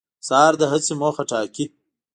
سهار د هڅې موخه ټاکي.